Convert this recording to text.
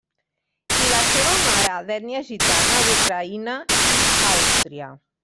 I la seva mare d'ètnia gitana d'Ucraïna i Àustria.